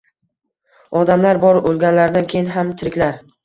Odamlar bor: o‘lganlaridan keyin ham tiriklar.